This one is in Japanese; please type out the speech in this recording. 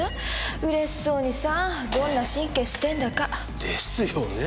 うれしそうにさあどんな神経してんだか。ですよねぇ。